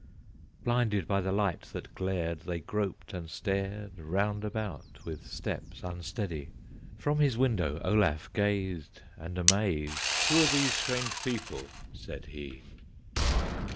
Blinded by the light that glared, They groped and stared Round about with steps unsteady; From his window Olaf gazed, And, amazed, "Who are these strange people?" said he.